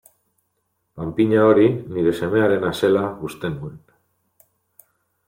Panpina hori nire semearena zela uste nuen.